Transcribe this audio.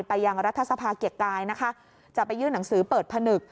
ยังรัฐสภาเกียรติกายนะคะจะไปยื่นหนังสือเปิดผนึก